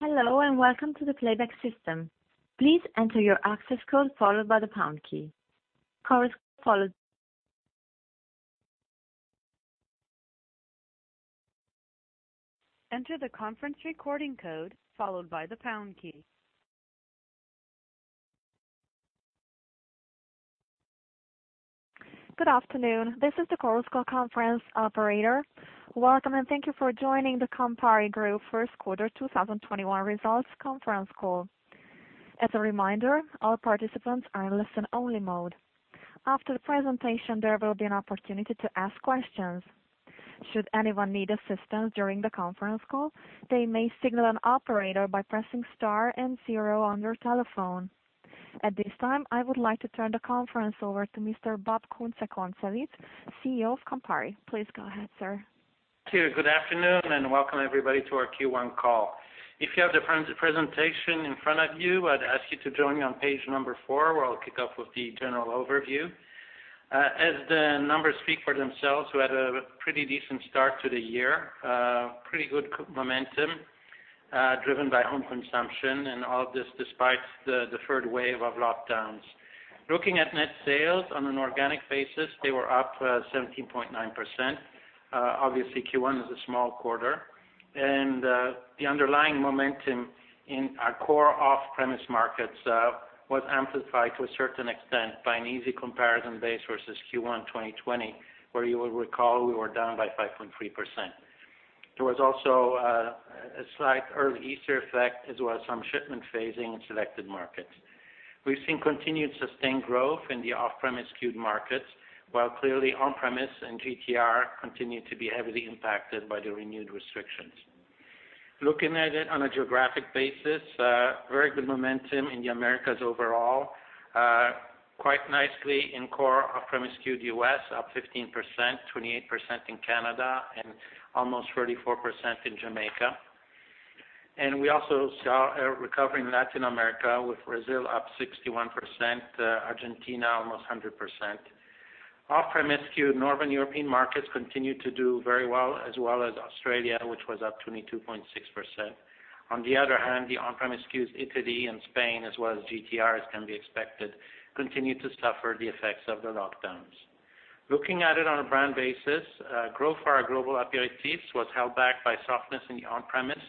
Good afternoon. This is the Chorus Call conference operator. Welcome, and thank you for joining the Campari Group first quarter 2021 results conference call. As a reminder, all participants are in listen-only mode. After the presentation, there will be an opportunity to ask questions. Should anyone need assistance during the conference call, they may signal an operator by pressing star and zero on their telephone. At this time, I would like to turn the conference over to Mr. Bob Kunze-Concewitz, CEO of Campari. Please go ahead, sir. Thank you. Good afternoon, welcome everybody to our Q1 call. If you have the presentation in front of you, I'd ask you to join me on page number four, where I'll kick off with the general overview. The numbers speak for themselves, we had a pretty decent start to the year. Pretty good momentum, driven by home consumption, all of this despite the third wave of lockdowns. Looking at net sales on an organic basis, they were up 17.9%. Obviously, Q1 is a small quarter. The underlying momentum in our core off-premise markets was amplified to a certain extent by an easy comparison base versus Q1 2020, where you will recall we were down by 5.3%. There was also a slight early Easter effect, as well as some shipment phasing in selected markets. We've seen continued sustained growth in the off-premise skewed markets, while clearly on-premise and GTR continued to be heavily impacted by the renewed restrictions. Looking at it on a geographic basis, very good momentum in the Americas overall. Quite nicely in core off-premise skewed U.S., up 15%, 28% in Canada, and almost 34% in Jamaica. We also saw a recovery in Latin America with Brazil up 61%, Argentina almost 100%. Off-premise skewed Northern European markets continued to do very well, as well as Australia, which was up 22.6%. On the other hand, the on-premise skews Italy and Spain as well as GTRs can be expected, continue to suffer the effects of the lockdowns. Looking at it on a brand basis, growth for our global aperitifs was held back by softness in the on-premise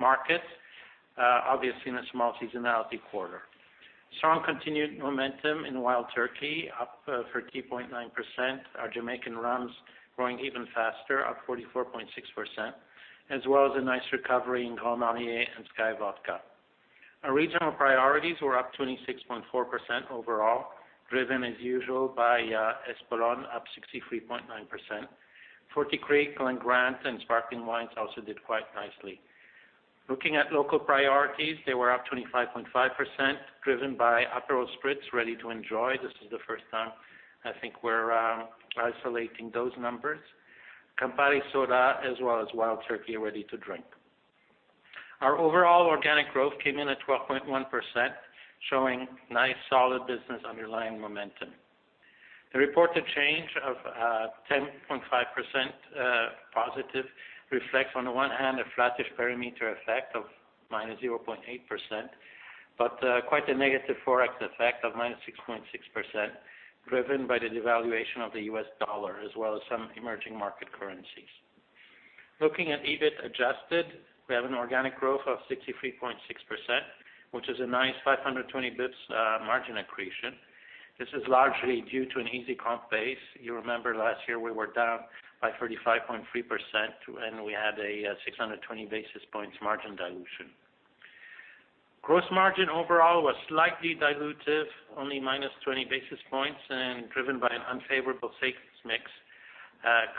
markets, obviously in a small seasonality quarter. Strong continued momentum in Wild Turkey, up 30.9%. Our Jamaican rums growing even faster, up 44.6%, as well as a nice recovery in Grand Marnier and SKYY Vodka. Our regional priorities were up 26.4% overall, driven as usual by Espolòn, up 63.9%. Forty Creek, Glen Grant, and sparkling wines also did quite nicely. Looking at local priorities, they were up 25.5%, driven by Aperol Spritz Ready to Enjoy, Campari Soda, as well as Wild Turkey Ready to Drink. This is the first time I think we're isolating those numbers. Our overall organic growth came in at 12.1%, showing nice solid business underlying momentum. The reported change of 10.5% positive reflects on the one hand a flattish perimeter effect of -0.8%, but quite a negative Forex effect of -6.6%, driven by the devaluation of the US dollar as well as some emerging market currencies. Looking at EBIT adjusted, we have an organic growth of 63.6%, which is a nice 520 basis points margin accretion. This is largely due to an easy comp base. You remember last year we were down by 35.3%, and we had a 620 basis points margin dilution. Gross margin overall was slightly dilutive, only -20 basis points, and driven by an unfavorable sales mix,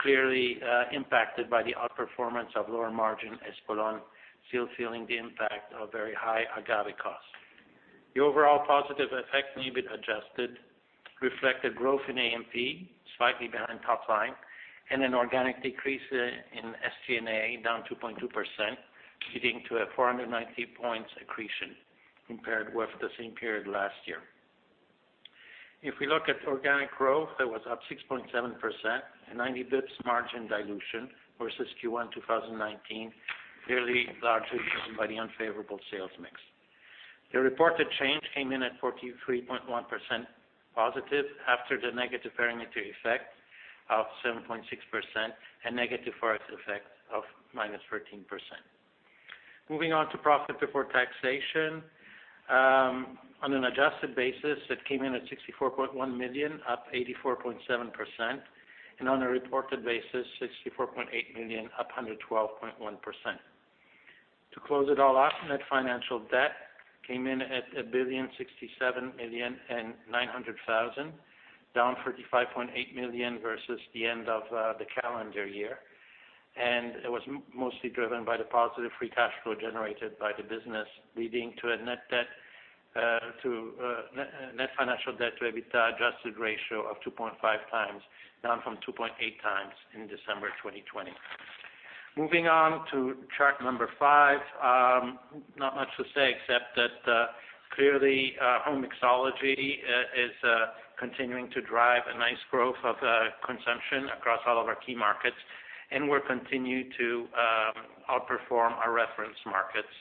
clearly impacted by the outperformance of lower margin Espolòn, still feeling the impact of very high agave costs. The overall positive effect on EBIT adjusted reflected growth in A&P, slightly behind top line, and an organic decrease in SG&A, down 2.2%, leading to a 490 basis points accretion compared with the same period last year. If we look at organic growth, that was up 6.7%, a 90 basis points margin dilution versus Q1 2019, clearly largely driven by the unfavorable sales mix. The reported change came in at 43.1% positive after the negative perimeter effect of 7.6% and negative ForEx effect of -13%. Moving on to profit before taxation. On an adjusted basis, it came in at 64.1 million, up 84.7%, and on a reported basis, 64.8 million, up 112.1%. To close it all off, net financial debt came in at 1,067,900,000, down 35.8 million versus the end of the calendar year. It was mostly driven by the positive free cash flow generated by the business, leading to a net financial debt to EBITDA adjusted ratio of 2.5x, down from 2.8x in December 2020. Moving on to track number five. Not much to say except that, clearly, home mixology is continuing to drive a nice growth of consumption across all of our key markets, and we'll continue to outperform our reference markets.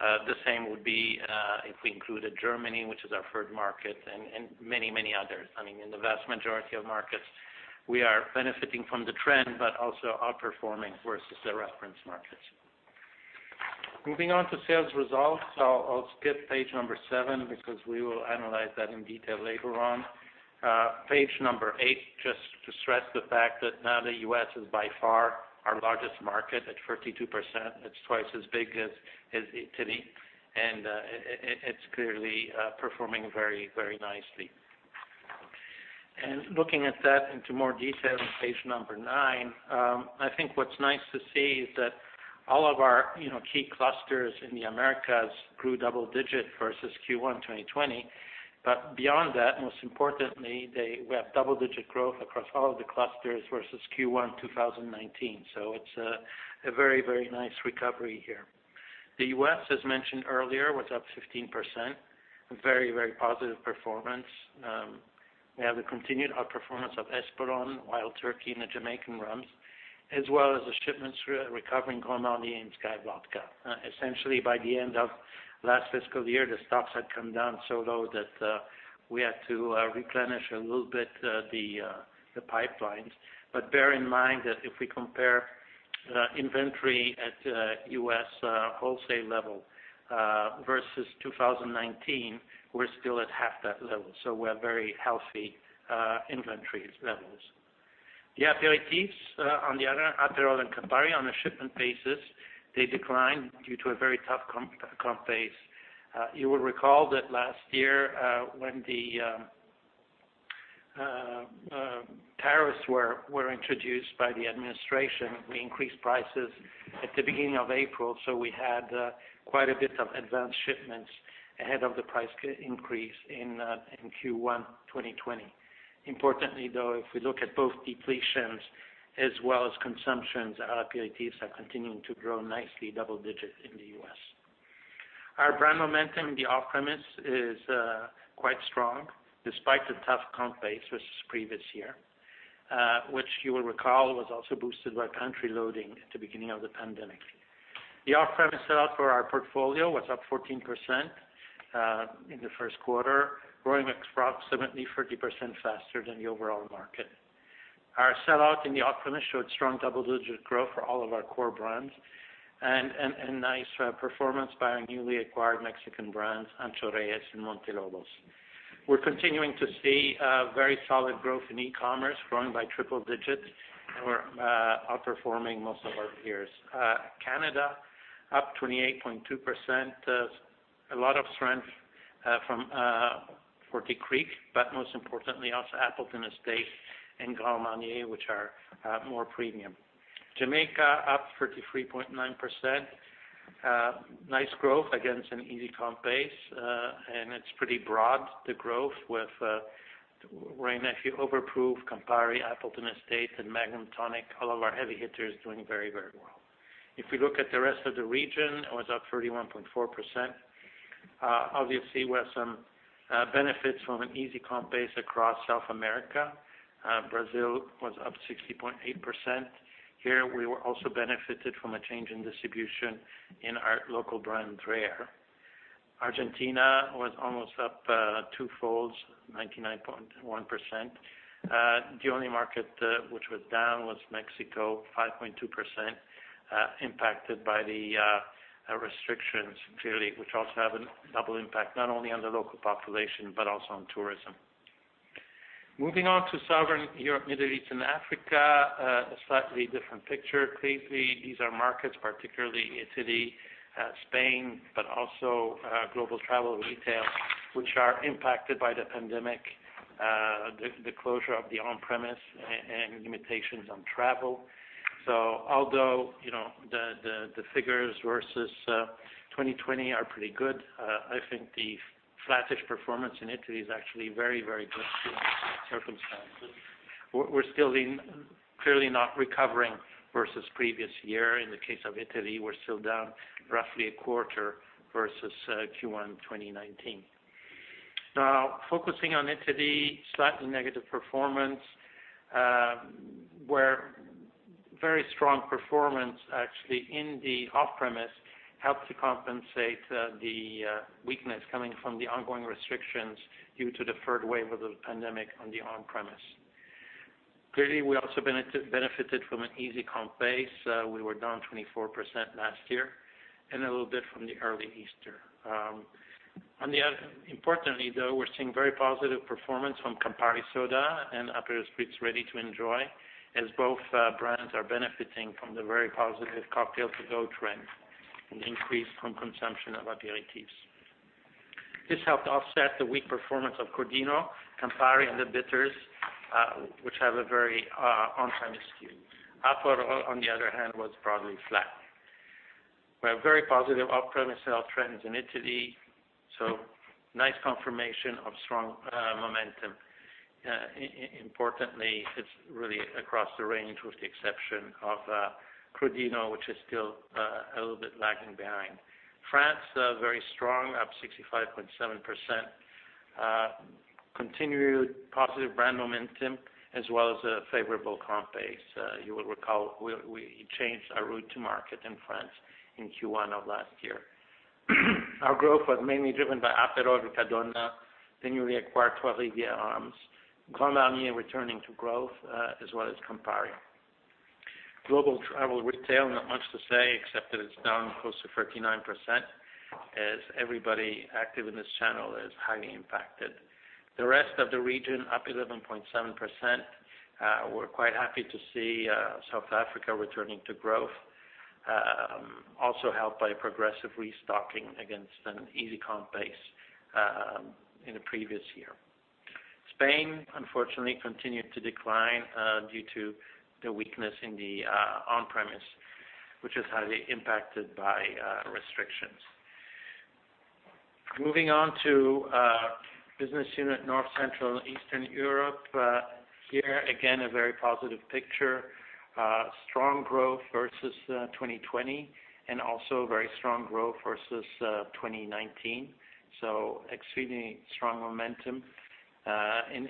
The same would be if we included Germany, which is our third market, and many others. In the vast majority of markets, we are benefiting from the trend but also outperforming versus the reference markets. Moving on to sales results. I'll skip page number seven because we will analyze that in detail later on. Page number eight, just to stress the fact that now the U.S. is by far our largest market at 32%. It's twice as big as Italy, and it's clearly performing very nicely. Looking at that into more detail on page number nine. I think what's nice to see is that all of our key clusters in the Americas grew double digits versus Q1 2020. Beyond that, most importantly, we have double-digit growth across all of the clusters versus Q1 2019. It's a very nice recovery here. The U.S., as mentioned earlier, was up 15%. A very positive performance. We have the continued outperformance of Espolòn, Wild Turkey, and the Jamaican rums, as well as the shipments recovering Grand Marnier and SKYY Vodka. Essentially, by the end of last fiscal year, the stocks had come down so low that we had to replenish a little bit the pipelines. Bear in mind that if we compare inventory at U.S. wholesale level versus 2019, we're still at half that level. We're very healthy inventory levels. The aperitifs on the other, Aperol and Campari, on a shipment basis, they declined due to a very tough comp base. You will recall that last year when the tariffs were introduced by the administration, we increased prices at the beginning of April, we had quite a bit of advanced shipments ahead of the price increase in Q1 2020. Importantly, though, if we look at both depletions as well as consumptions, our aperitifs are continuing to grow nicely double-digits in the U.S. Our brand momentum in the off-premise is quite strong, despite the tough comp base versus the previous year. Which you will recall was also boosted by country loading at the beginning of the pandemic. The off-premise sellout for our portfolio was up 14% in the first quarter, growing approximately 30% faster than the overall market. Our sellout in the off-premise showed strong double-digit growth for all of our core brands, and nice performance by our newly acquired Mexican brands, Ancho Reyes and Montelobos. We're continuing to see very solid growth in e-commerce, growing by triple-digits. We're outperforming most of our peers. Canada, up 28.2%. A lot of strength from Forty Creek, most importantly, also Appleton Estate and Grand Marnier, which are more premium. Jamaica, up 33.9%. Nice growth against an easy comp base. It's pretty broad, the growth, with Wray & Nephew, Overproof, Campari, Appleton Estate, and Magnum Tonic, all of our heavy hitters doing very well. If we look at the rest of the region, it was up 31.4%. Obviously, we have some benefits from an easy comp base across South America. Brazil was up 60.8%. Here, we were also benefited from a change in distribution in our local brand, Dreher. Argentina was almost up twofolds, 99.1%. The only market which was down was Mexico, 5.2%, impacted by the restrictions, clearly, which also have a double impact, not only on the local population, but also on tourism. Moving on to Southern Europe, Middle East, and Africa. A slightly different picture. These are markets, particularly Italy, Spain, but also global travel retail, which are impacted by the pandemic, the closure of the on-premise, and limitations on travel. Although the figures versus 2020 are pretty good, I think the flattish performance in Italy is actually very good given the circumstances. We're still clearly not recovering versus the previous year. In the case of Italy, we're still down roughly a quarter versus Q1 2019. Focusing on Italy, slightly negative performance, where very strong performance actually in the off-premise helped to compensate the weakness coming from the ongoing restrictions due to the third wave of the pandemic on the on-premise. We also benefited from an easy comp base. We were down 24% last year. A little bit from the early Easter. Importantly, though, we are seeing very positive performance from Campari Soda and Aperol Spritz Ready to Enjoy, as both brands are benefiting from the very positive cocktail-to-go trend, and increased home consumption of aperitifs. This helped offset the weak performance of Crodino, Campari, and the bitters, which have a very on-premise skew. Aperol, on the other hand, was broadly flat. We have very positive off-premise sell trends in Italy, so nice confirmation of strong momentum. Importantly, it is really across the range, with the exception of Crodino, which is still a little bit lagging behind. France, very strong, up 65.7%. Continued positive brand momentum as well as a favorable comp base. You will recall, we changed our route to market in France in Q1 of last year. Our growth was mainly driven by Aperol and Riccadonna, the newly acquired Trois Rivières rums. Grand Marnier returning to growth, as well as Campari. Global travel retail, not much to say except that it's down close to 39%, as everybody active in this channel is highly impacted. The rest of the region, up 11.7%. We're quite happy to see South Africa returning to growth, also helped by progressive restocking against an easy comp base in the previous year. Spain, unfortunately, continued to decline due to the weakness in the on-premise, which is highly impacted by restrictions. Moving on to business unit North, Central, and Eastern Europe. Again, a very positive picture. Strong growth versus 2020, also very strong growth versus 2019, exceedingly strong momentum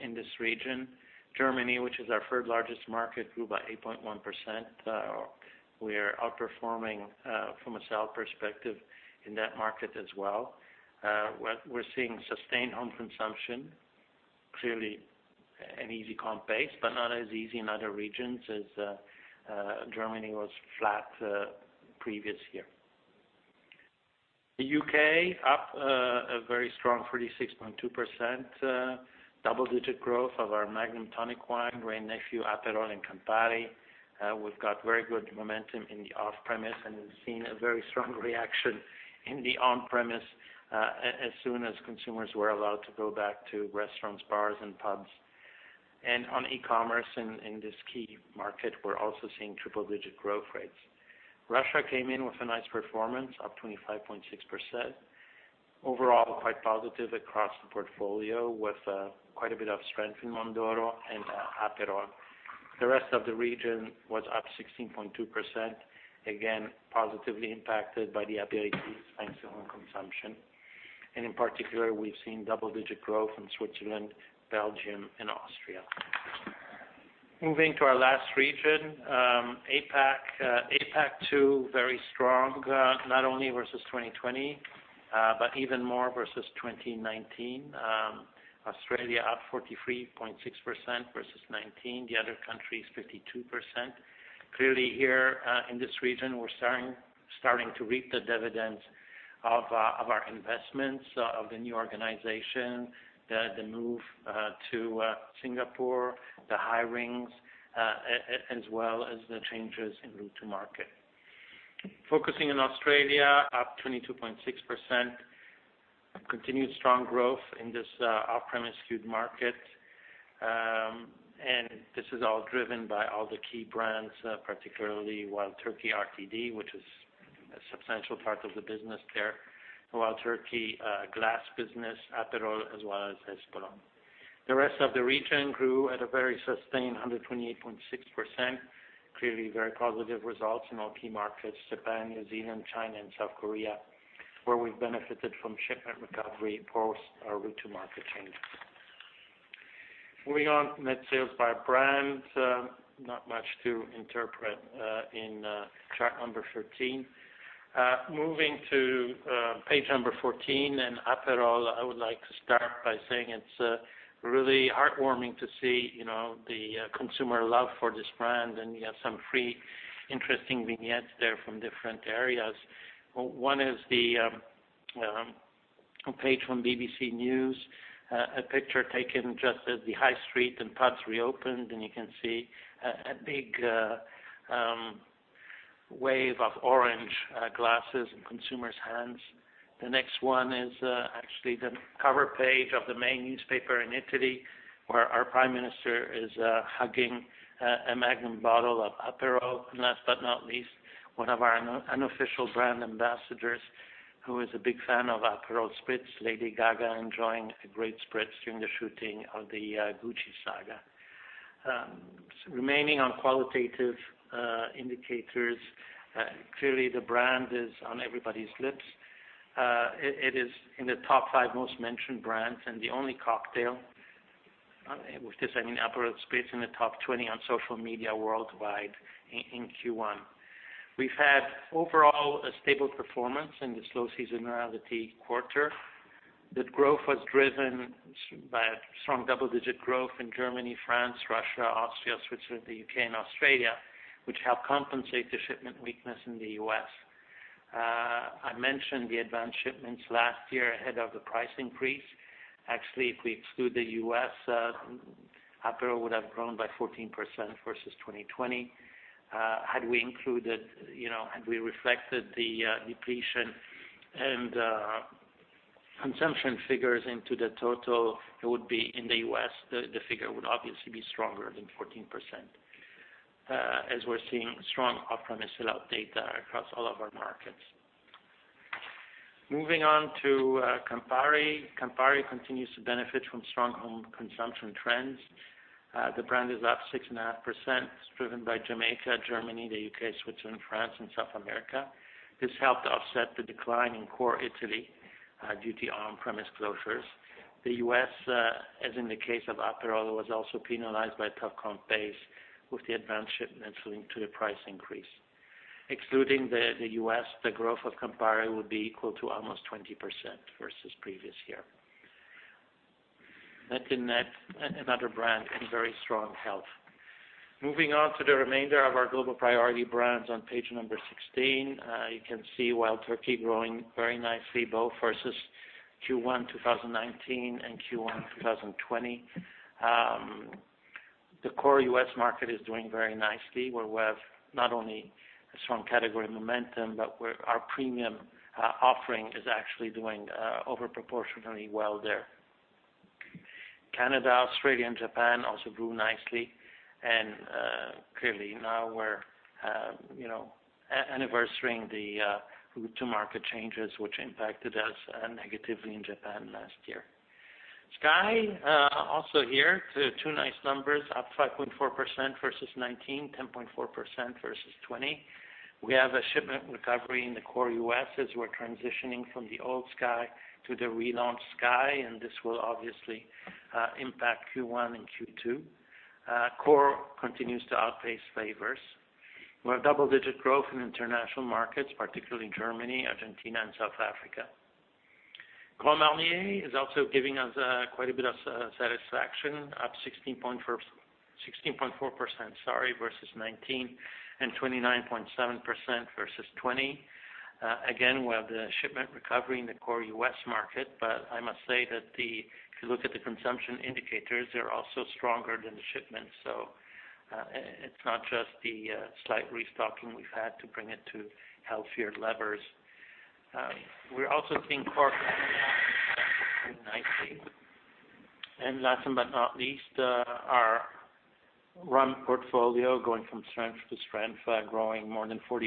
in this region. Germany, which is our third largest market, grew by 8.1%. We are outperforming from a sale perspective in that market as well. We're seeing sustained home consumption. Clearly, an easy comp base, but not as easy in other regions, as Germany was flat previous year. The U.K., up a very strong 36.2%. Double-digit growth of our Magnum Tonic Wine, Wray & Nephew, Aperol, and Campari. We've got very good momentum in the off-premise and have seen a very strong reaction in the on-premise as soon as consumers were allowed to go back to restaurants, bars, and pubs. On e-commerce in this key market, we're also seeing triple-digit growth rates. Russia came in with a nice performance, up 25.6%. Overall, quite positive across the portfolio with quite a bit of strength in Mondoro and Aperol. The rest of the region was up 16.2%. Positively impacted by the aperitifs thanks to home consumption. In particular, we've seen double-digit growth in Switzerland, Belgium, and Austria. Moving to our last region, APAC. APAC too, very strong. Not only versus 2020, but even more versus 2019. Australia up 43.6% versus 2019. The other countries, 52%. Clearly here, in this region, we're starting to reap the dividends of our investments, of the new organization, the move to Singapore, the hirings, as well as the changes in route to market. Focusing on Australia, up 22.6%. Continued strong growth in this off-premise skewed market. This is all driven by all the key brands, particularly Wild Turkey RTD, which is a substantial part of the business there. The Wild Turkey glass business, Aperol, as well as Espolòn. The rest of the region grew at a very sustained 128.6%. Clearly very positive results in all key markets, Japan, New Zealand, China, and South Korea, where we've benefited from shipment recovery post our route to market changes. Moving on, net sales by brand. Not much to interpret in chart number 13. Moving to page number 14, Aperol, I would like to start by saying it's really heartwarming to see the consumer love for this brand. You have some three, interesting vignettes there from different areas. One is the page from BBC News, a picture taken just as the high street and pubs reopened, and you can see a big wave of orange glasses in consumers' hands. The next one is actually the cover page of the main newspaper in Italy, where our prime minister is hugging a magnum bottle of Aperol. Last but not least, one of our unofficial brand ambassadors, who is a big fan of Aperol Spritz, Lady Gaga, enjoying a great spritz during the shooting of the Gucci saga. Remaining on qualitative indicators, clearly the brand is on everybody's lips. It is in the top five most mentioned brands and the only cocktail. With this, I mean Aperol Spritz in the top 20 on social media worldwide in Q1. We've had, overall, a stable performance in this low seasonality quarter. The growth was driven by a strong double-digit growth in Germany, France, Russia, Austria, Switzerland, the U.K., and Australia, which helped compensate the shipment weakness in the U.S. I mentioned the advanced shipments last year ahead of the price increase. Actually, if we exclude the U.S., Aperol would have grown by 14% versus 2020. Had we reflected the depletion and consumption figures into the total, in the U.S., the figure would obviously be stronger than 14%, as we're seeing strong off-premise sellout data across all of our markets. Moving on to Campari. Campari continues to benefit from strong home consumption trends. The brand is up 6.5%, driven by Jamaica, Germany, the U.K., Switzerland, France, and South America. This helped offset the decline in core Italy due to on-premise closures. The U.S., as in the case of Aperol, was also penalized by tough comp base with the advanced shipments linked to the price increase. Excluding the U.S., the growth of Campari would be equal to almost 20% versus the previous year. Net-to-net, another brand in very strong health. Moving on to the remainder of our global priority brands on page number 16. You can see Wild Turkey growing very nicely, both versus Q1 2019 and Q1 2020. The core U.S. market is doing very nicely, where we have not only a strong category momentum, but where our premium offering is actually doing over proportionally well there. Canada, Australia, and Japan also grew nicely, and clearly now we're anniversarying the go-to-market changes, which impacted us negatively in Japan last year. SKYY, also here, two nice numbers, up 5.4% versus 2019, 10.4% versus 2020. We have a shipment recovery in the core U.S. as we're transitioning from the old SKYY to the relaunched SKYY. This will obviously impact Q1 and Q2. Core continues to outpace flavors. We have double-digit growth in international markets, particularly in Germany, Argentina, and South Africa. Grand Marnier is also giving us quite a bit of satisfaction, up 16.4% versus 2019, and 29.7% versus 2020. Again, we have the shipment recovery in the core U.S. market. I must say that if you look at the consumption indicators, they're also stronger than the shipments. It's not just the slight restocking we've had to bring it to healthier levels. We're also seeing core nicely. Last but not least, our rum portfolio going from strength to strength, growing more than 40%,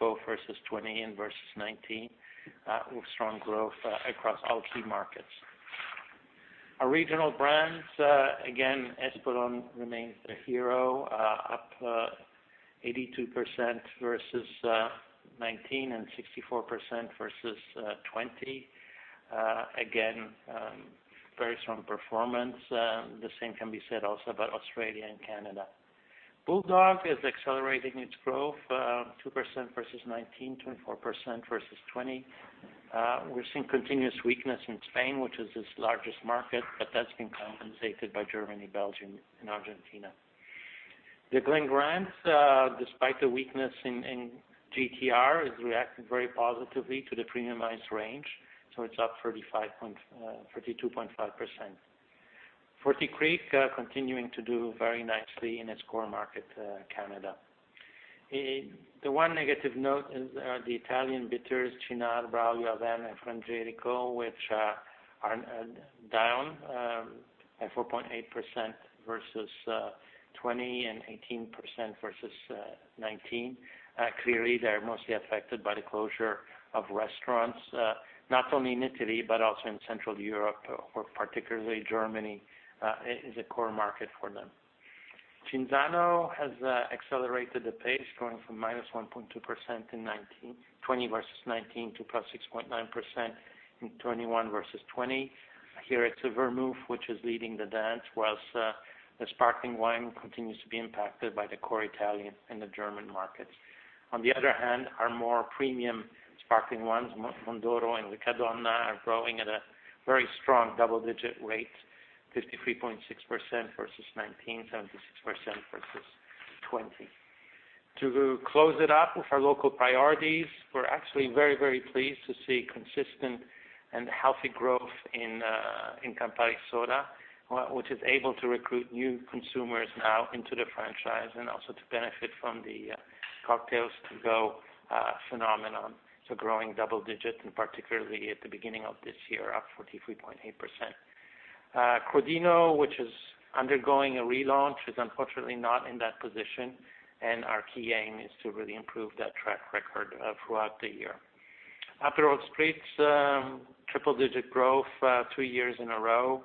both versus 2020 and versus 2019, with strong growth across all key markets. Our regional brands, again, Espolòn remains the hero, up 82% versus 2019 and 64% versus 2020. Again, very strong performance. The same can be said also about Australia and Canada. Bulldog is accelerating its growth, 2% versus 2019, 24% versus 2020. We're seeing continuous weakness in Spain, which is its largest market, but that's been compensated by Germany, Belgium, and Argentina. The Glen Grant, despite the weakness in GTR, is reacting very positively to the premiumized range, so it's up 32.5%. Forty Creek continuing to do very nicely in its core market, Canada. The one negative note is the Italian bitters, Cynar, Braulio, Averna, and Frangelico, which are down at 4.8% versus 2020 and 18% versus 2019. Clearly, they are mostly affected by the closure of restaurants, not only in Italy, but also in Central Europe, where particularly Germany is a core market for them. Cinzano has accelerated the pace, going from -1.2% in 2020 versus 2019 to +6.9% in 2021 versus 2020. Here it's vermouth which is leading the dance, whilst the sparkling wine continues to be impacted by the core Italian and the German markets. On the other hand, our more premium sparkling wines, Mondoro and Riccadonna, are growing at a very strong double-digit rate, 53.6% versus 2019, 76% versus 2020. To close it up with our local priorities, we're actually very pleased to see consistent and healthy growth in Campari Soda, which is able to recruit new consumers now into the franchise and also to benefit from the cocktails to go phenomenon. Growing double digits, and particularly at the beginning of this year, up 43.8%. Crodino, which is undergoing a relaunch, is unfortunately not in that position, and our key aim is to really improve that track record throughout the year. Aperol Spritz, triple-digit growth three years in a row.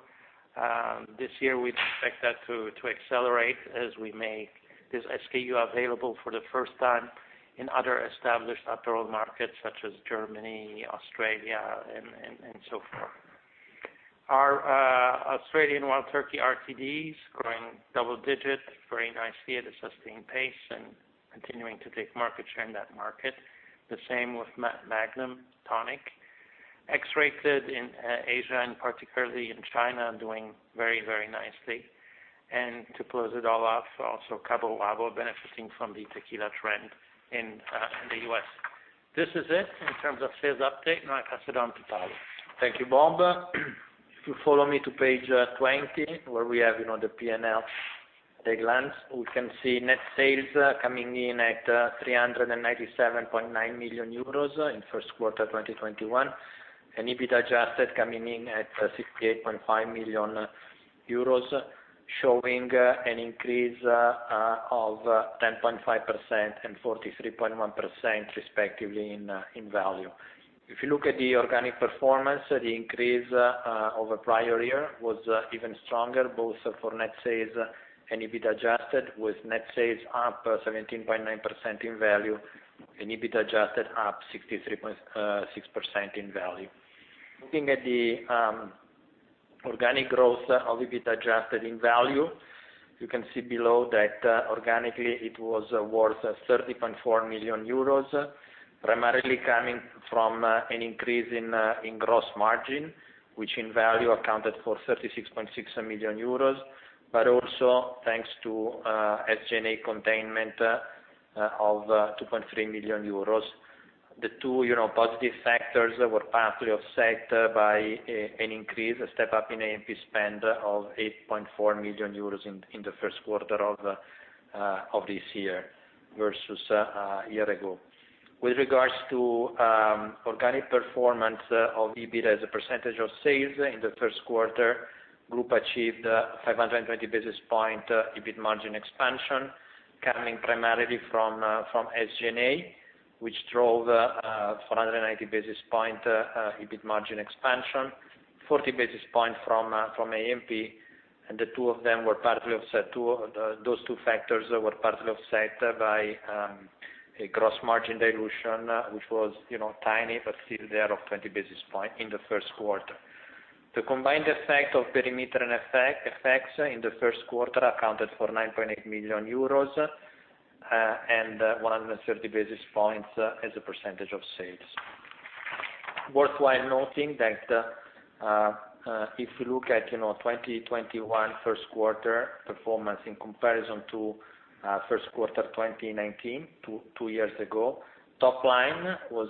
This year, we'd expect that to accelerate as we make this SKU available for the first time in other established Aperol markets such as Germany, Australia, and so forth. Our Australian Wild Turkey RTDs growing double digits, very nicely at a sustained pace and continuing to take market share in that market. The same with Magnum Tonic. X-Rated in Asia and particularly in China, doing very nicely. To close it all off, also Cabo Wabo benefiting from the tequila trend in the U.S. This is it in terms of sales update. I pass it on to Paolo. Thank you, Bob. If you follow me to page 20, where we have the P&L at a glance. We can see net sales coming in at 397.9 million euros in the first quarter 2021, and EBITDA adjusted coming in at 68.5 million euros. Showing an increase of 10.5% and 43.1% respectively in value. If you look at the organic performance, the increase over prior year was even stronger, both for net sales and EBIT adjusted, with net sales up 17.9% in value and EBIT adjusted up 63.6% in value. Looking at the organic growth of EBIT adjusted in value, you can see below that organically it was worth 30.4 million euros, primarily coming from an increase in gross margin, which in value accounted for 36.6 million euros, but also thanks to SG&A containment of 2.3 million euros. The two positive factors were partly offset by an increase, a step up in A&P spend of 8.4 million euros in the first quarter of this year versus a year ago. With regards to organic performance of EBIT as a percentage of sales in the first quarter, group achieved 520 basis point EBIT margin expansion, coming primarily from SG&A, which drove 490 basis point EBIT margin expansion, 40 basis point from A&P. Those two factors were partly offset by a gross margin dilution, which was tiny, but still there of 20 basis point in the first quarter. The combined effect of perimeter effects in the first quarter accounted for 9.8 million euros and 130 basis points as a percentage of sales. Worthwhile noting that if you look at 2021 first quarter performance in comparison to first quarter 2019, two years ago, top line was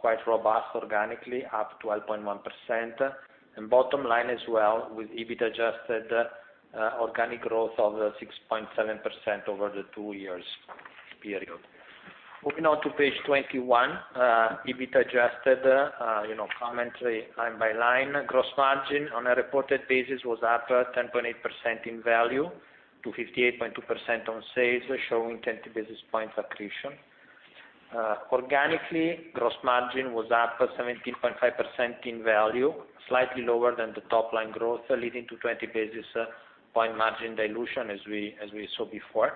quite robust organically, up 12.1%, and bottom line as well with EBIT adjusted organic growth of 6.7% over the two years period. Moving on to page 21. EBIT adjusted commentary line by line. Gross margin on a reported basis was up 10.8% in value to 58.2% on sales, showing 10 basis points accretion. Organically, gross margin was up 17.5% in value, slightly lower than the top line growth, leading to 20 basis point margin dilution as we saw before.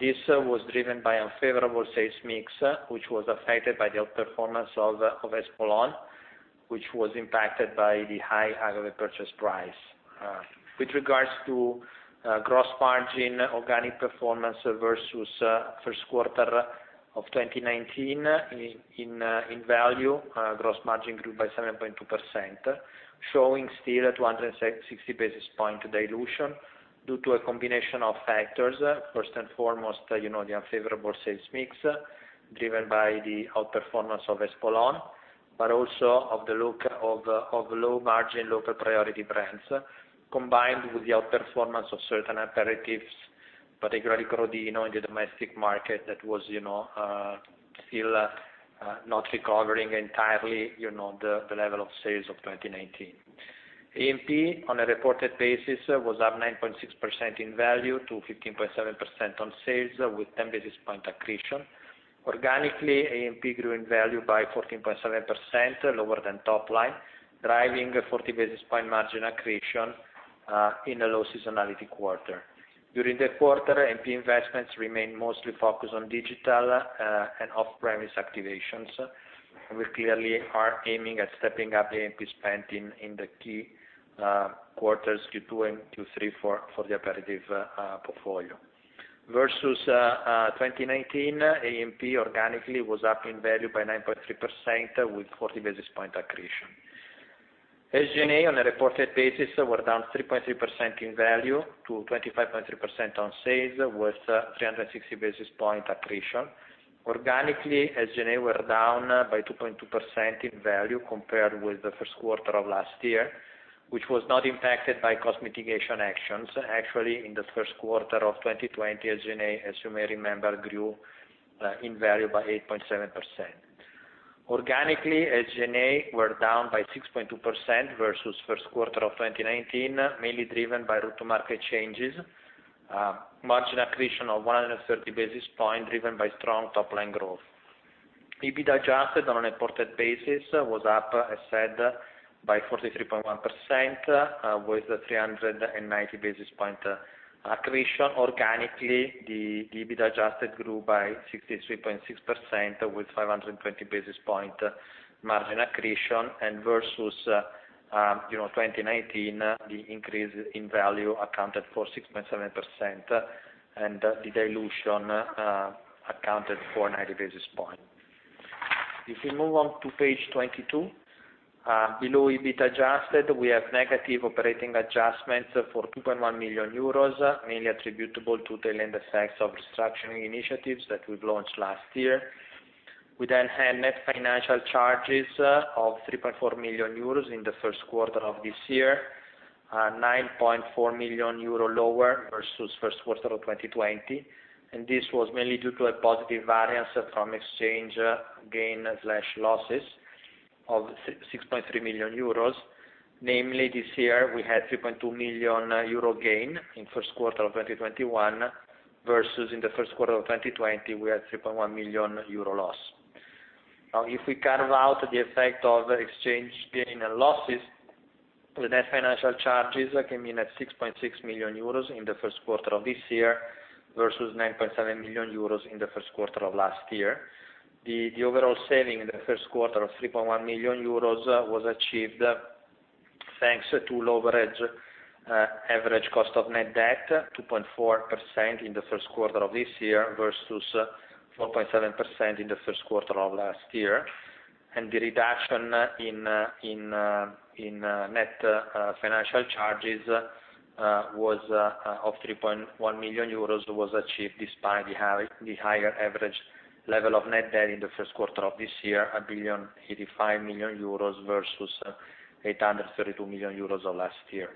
This was driven by unfavorable sales mix, which was affected by the outperformance of Espolòn, which was impacted by the high agave purchase price. With regards to gross margin organic performance versus first quarter of 2019 in value, gross margin grew by 7.2%, showing still 260 basis point dilution due to a combination of factors. First and foremost, the unfavorable sales mix driven by the outperformance of Espolòn, but also of low margin, low priority brands, combined with the outperformance of certain aperitifs, particularly Crodino in the domestic market that was still not recovering entirely the level of sales of 2019. A&P on a reported basis was up 9.6% in value to 15.7% on sales, with 10 basis point accretion. Organically, A&P grew in value by 14.7%, lower than top line, driving a 40 basis point margin accretion in a low seasonality quarter. During the quarter, A&P investments remained mostly focused on digital and off-premise activations. We clearly are aiming at stepping up A&P spend in the key quarters Q2 and Q3 for the aperitif portfolio. Versus 2019, A&P organically was up in value by 9.3% with 40 basis point accretion. SG&A on a reported basis were down 3.3% in value to 25.3% on sales with 360 basis point accretion. Organically, SG&A were down by 2.2% in value compared with the first quarter of last year, which was not impacted by cost mitigation actions. Actually, in the first quarter of 2020, SG&A, as you may remember, grew in value by 8.7%. Organically, SG&A were down by 6.2% versus first quarter of 2019, mainly driven by go-to-market changes. Margin accretion of 130 basis point driven by strong top-line growth. EBIT adjusted on a reported basis was up, as said, by 43.1% with 390 basis point accretion. Organically, the EBIT adjusted grew by 63.6% with 520 basis points margin accretion. Versus 2019, the increase in value accounted for 6.7% and the dilution accounted for 90 basis points. If we move on to page 22. Below EBIT adjusted, we have negative operating adjustments for 2.1 million euros, mainly attributable to the tail-end effects of restructuring initiatives that we've launched last year. We then had net financial charges of 3.4 million euros in the first quarter of this year, 9.4 million euro lower versus first quarter of 2020. This was mainly due to a positive variance from exchange gain/losses of 6.3 million euros. Namely, this year we had 3.2 million euro gain in Q1 2021 versus in Q1 2020, we had 3.1 million euro loss. If we carve out the effect of exchange gain and losses, the net financial charges came in at 6.6 million euros in Q1 of this year, versus 9.7 million euros in Q1 of last year. The overall saving in Q1 of 3.1 million euros was achieved, thanks to lower average cost of net debt, 2.4% in Q1 of this year versus 4.7% in Q1 of last year. The reduction in net financial charges of 3.1 million euros was achieved despite the higher average level of net debt in Q1 of this year, 1,085 million euros versus 832 million euros of last year.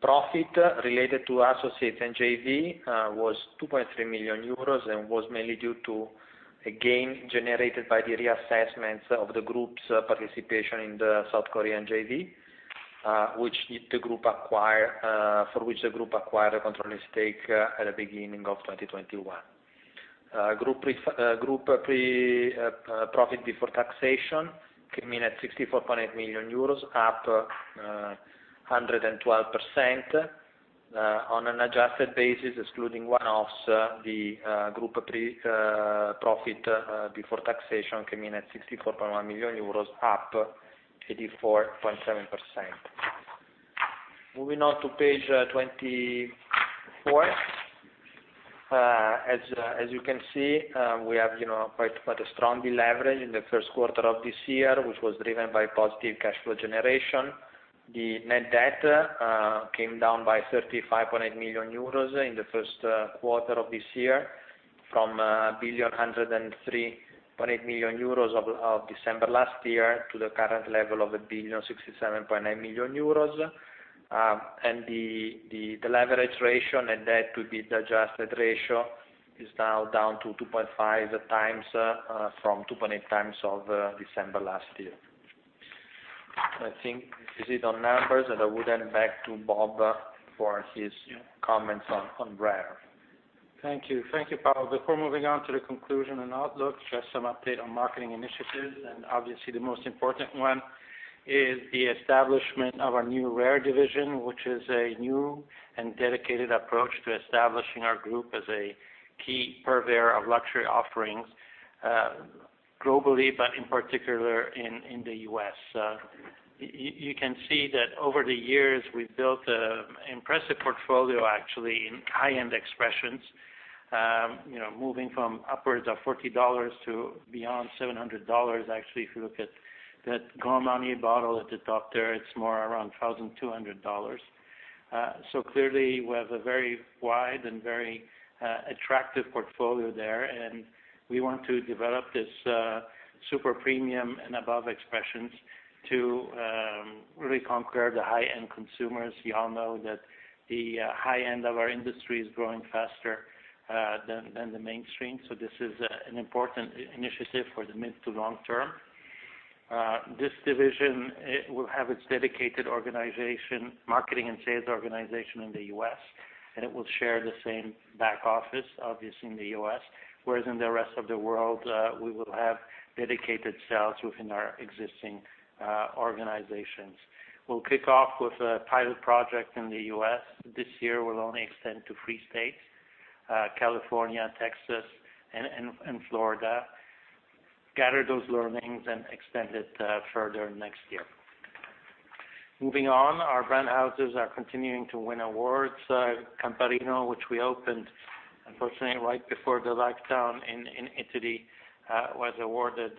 Profit related to associates and JV was 2.3 million euros and was mainly due to a gain generated by the reassessments of the group's participation in the South Korean JV, for which the group acquired a controlling stake at the beginning of 2021. Group profit before taxation came in at 64.8 million euros, up 112%. On an adjusted basis excluding one-offs, the group profit before taxation came in at 64.1 million euros, up 84.7%. Moving on to page 24. As you can see, we have quite a strong deleverage in Q1 of this year, which was driven by positive cash flow generation. The net debt came down by 35.8 million euros in Q1 of this year from 1,103.8 million euros of December last year to the current level of 1,067.9 million euros. The leverage ratio and debt to EBITDA adjusted ratio is now down to 2.5x from 2.8x of December last year. I think this is it on numbers, and I would hand back to Bob for his comments on Rare. Thank you, Paolo. Before moving on to the conclusion and outlook, just some update on marketing initiatives, and obviously the most important one is the establishment of our new Rare division, which is a new and dedicated approach to establishing our group as a key purveyor of luxury offerings globally, but in particular in the U.S. You can see that over the years, we've built an impressive portfolio, actually, in high-end expressions, moving from upwards of EUR 40 to beyond EUR 700. Actually, if you look at that Grand Marnier bottle at the top there, it's more around EUR 1,200. Clearly we have a very wide and very attractive portfolio there, and we want to develop this super premium and above expressions to really conquer the high-end consumers. You all know that the high end of our industry is growing faster than the mainstream, so this is an important initiative for the mid to long term. This division will have its dedicated marketing and sales organization in the U.S., and it will share the same back office, obviously, in the U.S. Whereas in the rest of the world, we will have dedicated sales within our existing organizations. We'll kick off with a pilot project in the U.S. this year. We'll only extend to three states, California, Texas, and Florida. Gather those learnings and extend it further next year. Moving on, our brand houses are continuing to win awards. Camparino, which we opened, unfortunately, right before the lockdown in Italy, was awarded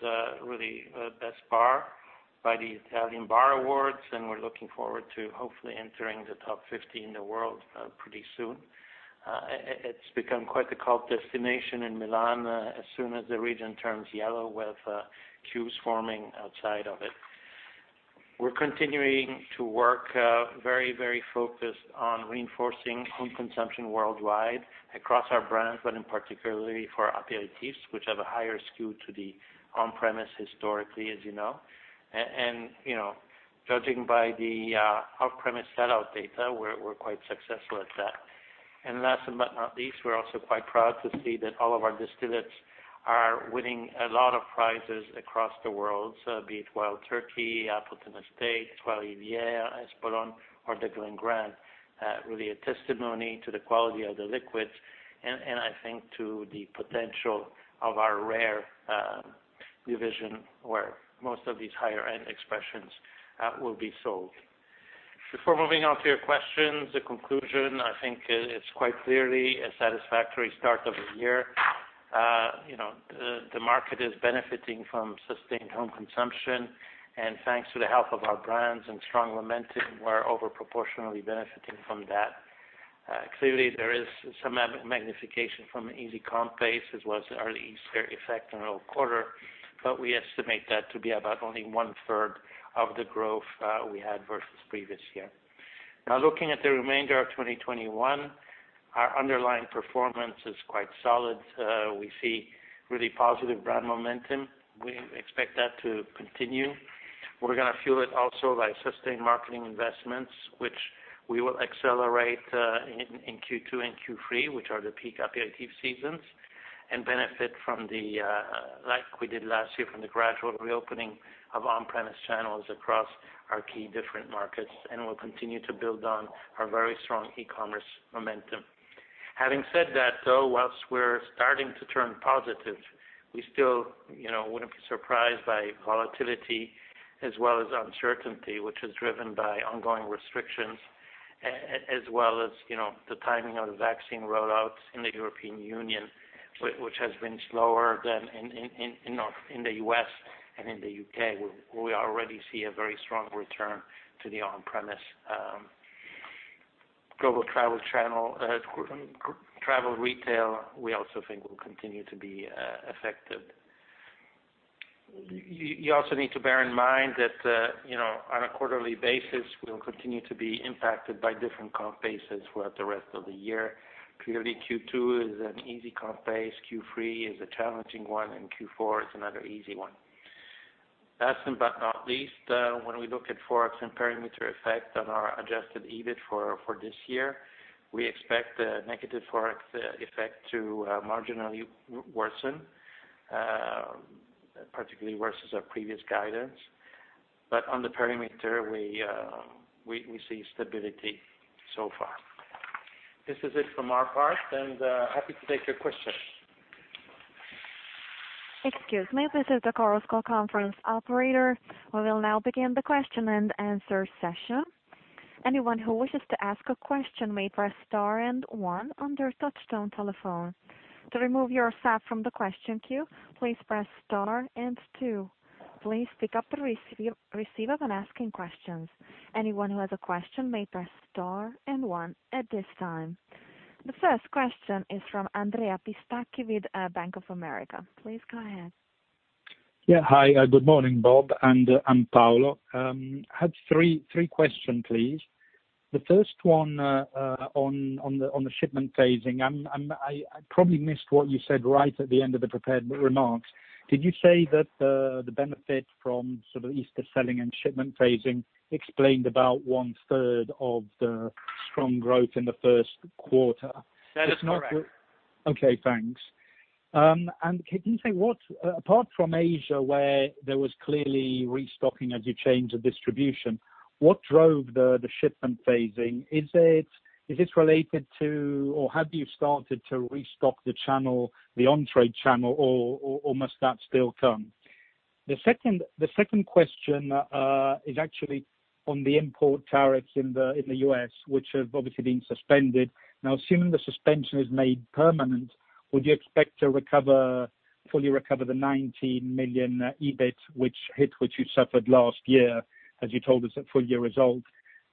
really best bar by the Italian Bar Awards, and we're looking forward to hopefully entering the top 50 in the world pretty soon. It's become quite the cult destination in Milan as soon as the region turns yellow, with queues forming outside of it. We're continuing to work very focused on reinforcing home consumption worldwide across our brands, but particularly for aperitifs, which have a higher skew to the on-premise historically, as you know. Judging by the off-premise sellout data, we're quite successful at that. Last but not least, we're also quite proud to see that all of our distillates are winning a lot of prizes across the world. Be it Wild Turkey, Appleton Estate, Trois Rivières, Espolòn or the Glen Grant, really a testimony to the quality of the liquids and I think to the potential of our Rare division, where most of these higher end expressions will be sold. Before moving on to your questions, the conclusion, I think it's quite clearly a satisfactory start of the year. The market is benefiting from sustained home consumption, and thanks to the health of our brands and strong momentum, we're over proportionally benefiting from that. Clearly, there is some magnification from an easy comp base as well as early Easter effect on our quarter, but we estimate that to be about only one third of the growth we had versus previous year. Now looking at the remainder of 2021, our underlying performance is quite solid. We see really positive brand momentum. We expect that to continue. We're going to fuel it also by sustained marketing investments, which we will accelerate in Q2 and Q3, which are the peak aperitif seasons, and benefit, like we did last year, from the gradual reopening of on-premise channels across our key different markets, and we'll continue to build on our very strong e-commerce momentum. Having said that, though, whilst we're starting to turn positive, we still wouldn't be surprised by volatility as well as uncertainty, which is driven by ongoing restrictions, as well as the timing of the vaccine rollouts in the European Union, which has been slower than in the U.S. and in the U.K., where we already see a very strong return to the on-premise. Global travel retail, we also think will continue to be affected. You also need to bear in mind that, on a quarterly basis, we'll continue to be impacted by different comp bases throughout the rest of the year. Clearly, Q2 is an easy comp base, Q3 is a challenging one, Q4 is another easy one. Last but not least, when we look at forex and perimeter effect on our adjusted EBIT for this year, we expect the negative forex effect to marginally worsen, particularly versus our previous guidance. On the perimeter, we see stability so far. This is it from our part. Happy to take your questions. The first question is from Andrea Pistacchi with Bank of America. Please go ahead. Yeah. Hi, good morning, Bob and Paolo. I have three questions, please. The first one on the shipment phasing. I probably missed what you said right at the end of the prepared remarks. Did you say that the benefit from sort of Easter selling and shipment phasing explained about one-third of the strong growth in the first quarter? That is correct. Okay, thanks. Can you say, apart from Asia, where there was clearly restocking as you changed the distribution, what drove the shipment phasing? Is this related to, or have you started to restock the on-trade channel, or must that still come? The second question is actually on the import tariffs in the U.S., which have obviously been suspended. Assuming the suspension is made permanent, would you expect to fully recover the 19 million EBIT hit which you suffered last year, as you told us at full-year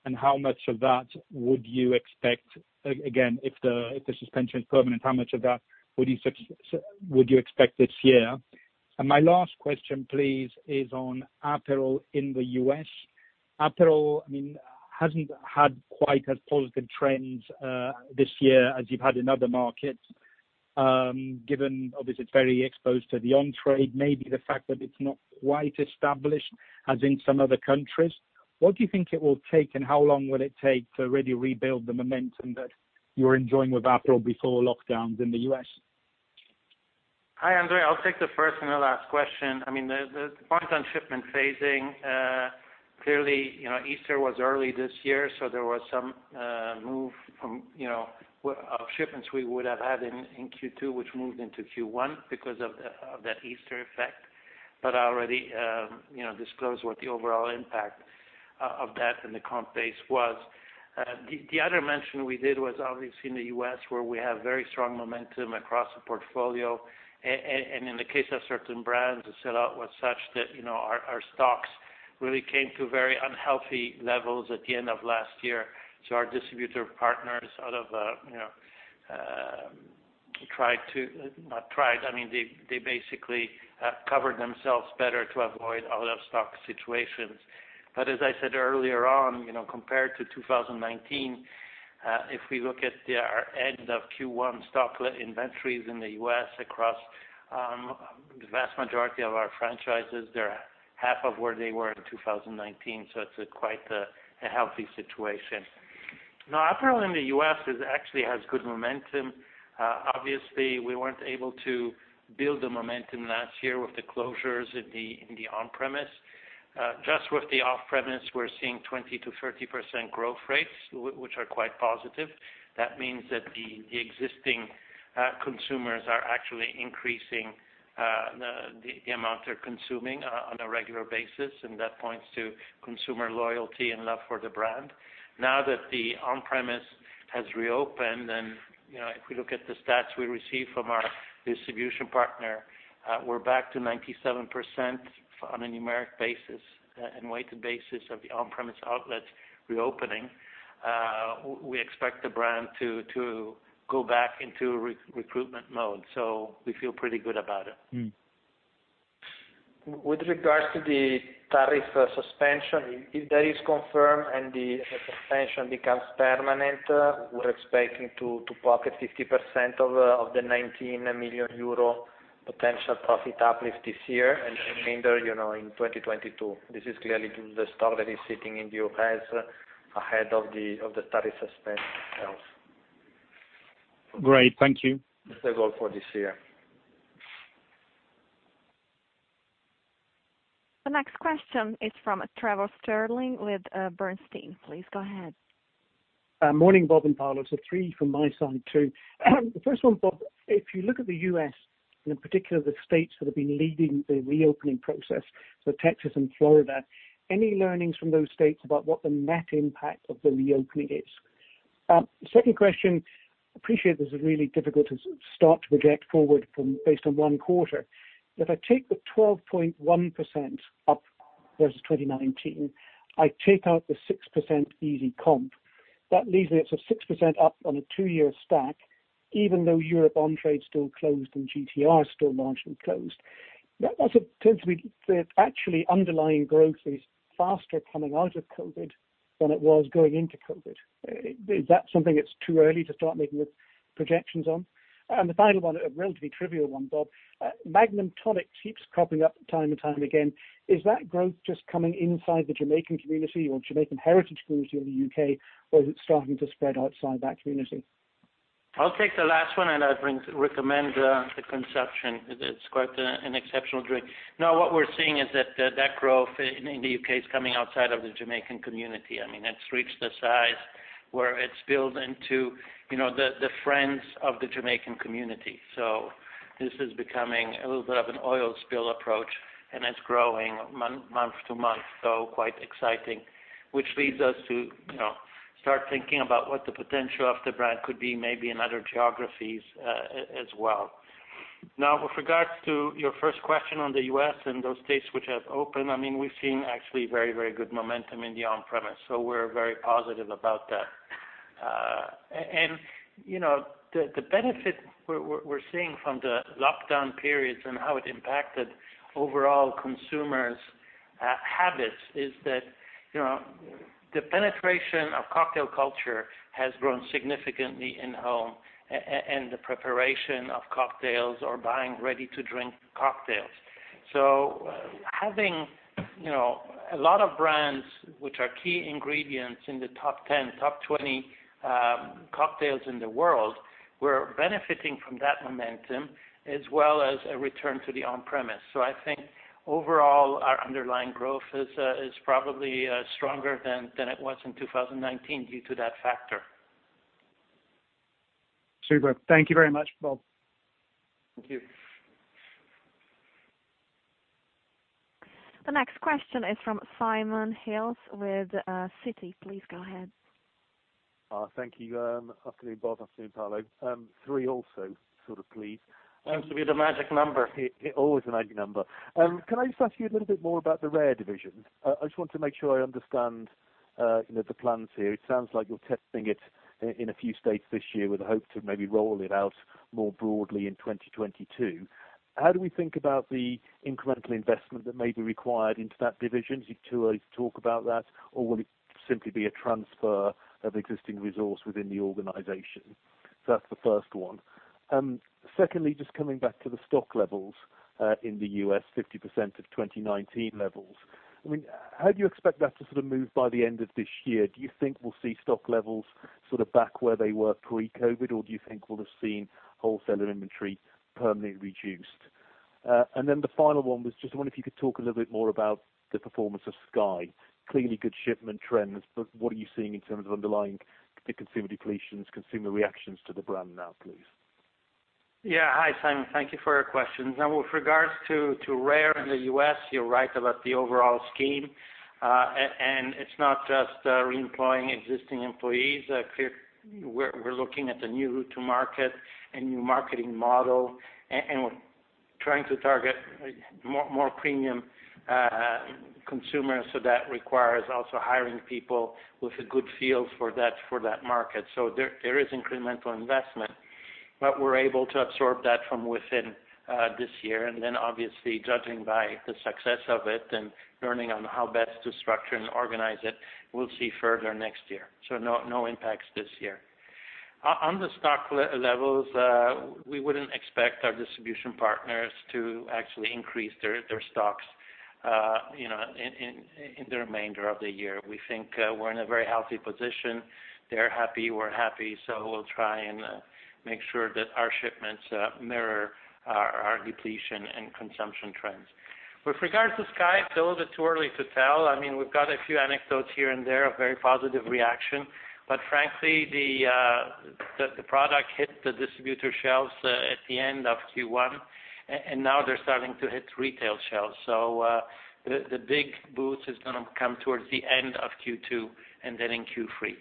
results? How much of that would you expect, again, if the suspension is permanent, how much of that would you expect this year? My last question, please, is on Aperol in the U.S. Aperol hasn't had quite as positive trends this year as you've had in other markets, given, obviously, it's very exposed to the on-trade, maybe the fact that it's not quite established as in some other countries. What do you think it will take, and how long will it take to really rebuild the momentum that you were enjoying with Aperol before lockdowns in the U.S.? Hi, Andrea. I'll take the first and the last question. The point on shipment phasing, clearly, Easter was early this year. There was some move of shipments we would have had in Q2, which moved into Q1 because of that Easter effect. I already disclosed what the overall impact of that in the comp base was. The other mention we did was obviously in the U.S., where we have very strong momentum across the portfolio. In the case of certain brands, the sell-out was such that our stocks really came to very unhealthy levels at the end of last year. Our distributor partners, they basically covered themselves better to avoid out-of-stock situations. As I said earlier on, compared to 2019, if we look at our end-of-Q1 stock inventories in the U.S. across the vast majority of our franchises, they're half of where they were in 2019, so it's quite a healthy situation. Now, Aperol in the U.S. actually has good momentum. Obviously, we weren't able to build the momentum last year with the closures in the on-premise. Just with the off-premise, we're seeing 20%-30% growth rates, which are quite positive. That means that the existing consumers are actually increasing the amount they're consuming on a regular basis, and that points to consumer loyalty and love for the brand. Now that the on-premise has reopened, and if we look at the stats we receive from our distribution partner, we're back to 97% on a numeric basis and weighted basis of the on-premise outlets reopening. We expect the brand to go back into recruitment mode. We feel pretty good about it. With regards to the tariff suspension, if that is confirmed and the suspension becomes permanent, we're expecting to pocket 50% of the 19 million euro potential profit uplift this year and the remainder in 2022. This is clearly the stock that is sitting in the U.S. ahead of the tariff suspension itself. Great. Thank you. That's the goal for this year. The next question is from Trevor Stirling with Bernstein. Please go ahead. Morning, Bob and Paolo. Three from my side, too. The first one, Bob, if you look at the U.S. and in particular the states that have been leading the reopening process, so Texas and Florida, any learnings from those states about what the net impact of the reopening is? Second question, appreciate this is really difficult to start to project forward based on one quarter. If I take the 12.1% up versus 2019, I take out the 6% easy comp. That leaves me at sort of 6% up on a two-year stack, even though Europe on-trade is still closed and GTR is still marginally closed. That's ostensibly that actually underlying growth is faster coming out of COVID than it was going into COVID. Is that something it's too early to start making projections on? The final one, a relatively trivial one, Bob. Magnum Tonic keeps cropping up time and time again. Is that growth just coming inside the Jamaican community or Jamaican heritage community in the U.K., or is it starting to spread outside that community? I'll take the last one, I recommend the consumption. It's quite an exceptional drink. What we're seeing is that that growth in the U.K. is coming outside of the Jamaican community. It's reached the size where it spills into the friends of the Jamaican community. This is becoming a little bit of an oil spill approach, and it's growing month-over-month. Quite exciting, which leads us to start thinking about what the potential of the brand could be, maybe in other geographies as well. With regards to your first question on the U.S. and those states which have opened, we've seen actually very, very good momentum in the on-premise. We're very positive about that. The benefit we're seeing from the lockdown periods and how it impacted overall consumers' habits is that the penetration of cocktail culture has grown significantly in home, and the preparation of cocktails or buying ready-to-drink cocktails. Having a lot of brands which are key ingredients in the top 10, top 20 cocktails in the world, we're benefiting from that momentum as well as a return to the on-premise. I think overall, our underlying growth is probably stronger than it was in 2019 due to that factor. Superb. Thank you very much, Bob. Thank you. The next question is from Simon Hales with Citi. Please go ahead. Thank you. Afternoon, Bob. Afternoon, Paolo. Three also, please. Seems to be the magic number. Always the magic number. Can I just ask you a little bit more about the Rare division? I just want to make sure I understand the plans here. It sounds like you're testing it in a few states this year with a hope to maybe roll it out more broadly in 2022. How do we think about the incremental investment that may be required into that division? Is it too early to talk about that, or will it simply be a transfer of existing resource within the organization? That's the first one. Secondly, just coming back to the stock levels in the U.S., 50% of 2019 levels. How do you expect that to move by the end of this year? Do you think we'll see stock levels back where they were pre-COVID, or do you think we'll have seen wholesaler inventory permanently reduced? The final one was just I wonder if you could talk a little bit more about the performance of SKYY. Clearly good shipment trends, but what are you seeing in terms of underlying the consumer depletions, consumer reactions to the brand now, please? Hi, Simon. Thank you for your questions. With regards to Rare in the U.S., you're right about the overall scheme. It's not just reemploying existing employees. We're looking at a new route to market, a new marketing model, and we're trying to target more premium consumers, so that requires also hiring people with a good feel for that market. There is incremental investment. We're able to absorb that from within this year, obviously, judging by the success of it and learning on how best to structure and organize it, we'll see further next year. No impacts this year. On the stock levels, we wouldn't expect our distribution partners to actually increase their stocks in the remainder of the year. We think we're in a very healthy position. They're happy, we're happy, so we'll try and make sure that our shipments mirror our depletion and consumption trends. With regards to SKYY, it's a little bit too early to tell. We've got a few anecdotes here and there of very positive reaction. Frankly, the product hit the distributor shelves at the end of Q1, and now they're starting to hit retail shelves. The big boost is going to come towards the end of Q2 and then in Q3.